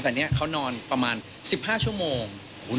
แต่นี่เขานอนประมาณ๑๕ชั่วโมง